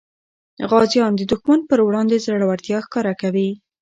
غازیان د دښمن په وړاندې زړورتیا ښکاره کوي.